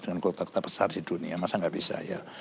dengan kota kota besar di dunia masa nggak bisa ya